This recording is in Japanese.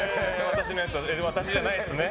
私じゃないですね。